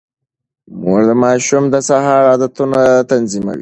مور د ماشوم د سهار عادتونه تنظيموي.